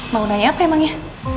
mau nanya apa emang ya